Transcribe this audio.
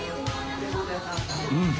うん。